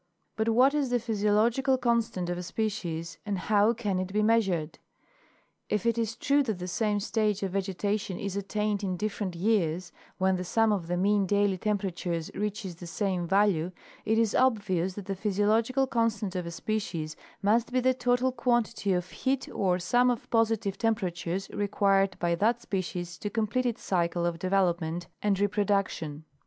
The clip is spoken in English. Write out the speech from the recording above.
But what is the physio logical constant of a species, and how can it be measured? If it is true that the same stage of vegetation is attained in different years when the sum of the mean daily temperatures reaches the same value, it is obvious that the physiological constant of a species must be the total quantity of heat or sum of positive temperatures re quired by that species to convplete its cycle of development and repro duction.